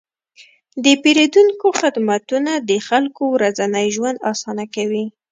د پیرودونکو خدمتونه د خلکو ورځنی ژوند اسانه کوي.